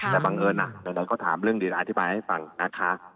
แต่บังเอิญนะเราก็ถามเรื่องดีแล้วอธิบายให้ฟังนะคะ